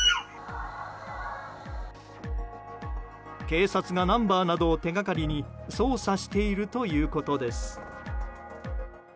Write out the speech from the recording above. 警察がナンバーなどを手掛かりに捜査しているということです。